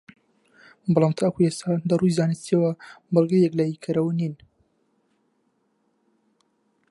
بەڵام تاکو ئێستا لەڕووی زانستییەوە بەڵگەی یەکلاییکەرەوە نین